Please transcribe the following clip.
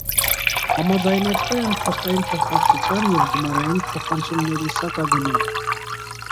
Համաձայնեցվել են փոստային թղթակցության և գումարային փոխանցումների սակագները։